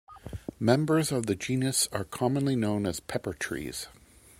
Members of the genus are commonly known as pepper trees.